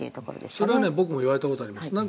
それは僕も言われたことがあります。